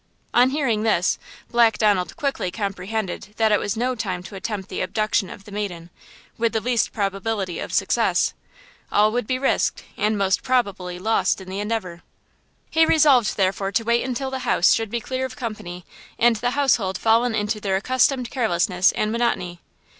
On hearing this, Black Donald quickly comprehended that it was no time to attempt the abduction of the maiden, with the least probability of success. All would be risked and most probably lost in the endeavor. He resolved, therefore, to wait until the house should be clear of company, and the household fallen into their accustomed carelessness and monotony.